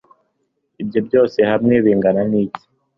ibyo byose hamwe bingana iki